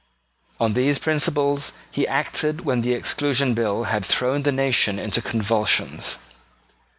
On these principles he acted when the Exclusion Bill had thrown the nation into convulsions.